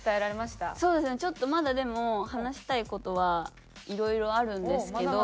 ちょっとまだでも話したい事はいろいろあるんですけど。